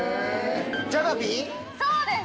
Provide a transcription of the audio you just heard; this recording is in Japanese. そうです！